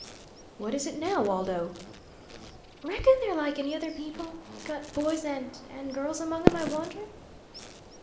"What is it now, Waldo?" "Reckon they're like any other people? Got boys and and girls among 'em, I wonder?"